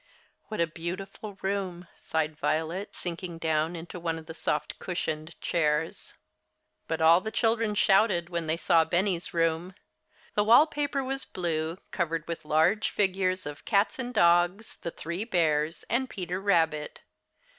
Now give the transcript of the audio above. "What a beautiful room!" sighed Violet, sinking down into one of the soft cushioned chairs. But all the children shouted when they saw Benny's room. The wallpaper was blue, covered with large figures of cats and dogs, the Three Bears, and Peter Rabbit.